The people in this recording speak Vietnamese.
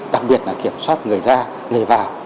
đặc biệt là kiểm soát người ra người vào